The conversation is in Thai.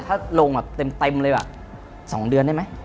ถ้าลงแบบเต็มเลย๒เดือนได้ไหม